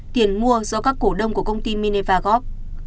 tiền mua do các cổ đông của công ty meva góp